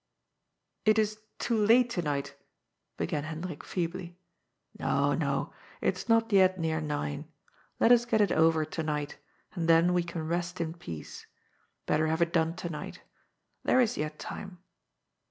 " It is too late to night," began Hendrik feebly. " No, no, it is not yet near nine. Let us get it over to night, and then we can rest in peace. Better have it done to night. There is yet time."